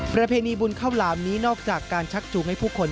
ประเพณีบุญข้าวหลามนี้นอกจากการชักจูงให้ผู้คน